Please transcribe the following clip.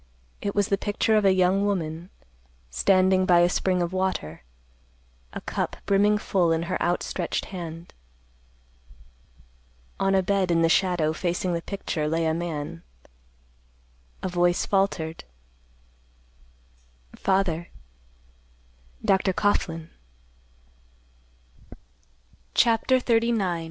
It was the picture of a young woman, standing by a spring of water, a cup brimming full in her outstretched hand. On a bed in the shadow, facing the picture, lay a man. A voice faltered, "Father. Dr. Coughlan." CHAPTER XXXIX.